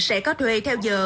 sẽ có thuê theo giờ